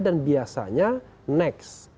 dan biasanya next